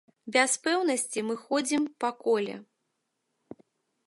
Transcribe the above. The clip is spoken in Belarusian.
Без пэўнасці мы ходзім па коле.